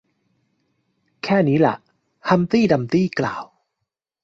แค่นี้ล่ะ ฮัมพ์ตี้ดัมพ์ตี้กล่าว